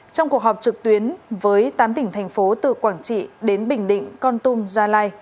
trong cuộc họp trực tuyến với tám tỉnh thành phố từ quảng trị đến bình định con tum gia lai